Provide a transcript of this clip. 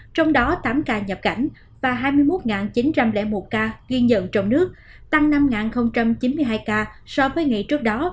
trong đó tám ca nhập cảnh và hai mươi một chín trăm linh một ca ghi nhận trong nước tăng năm chín mươi hai ca so với ngày trước đó